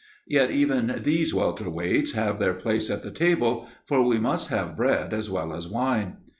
Yet even these welter weights have their place at the table, for we must have bread as well as wine.